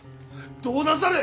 どうなさる？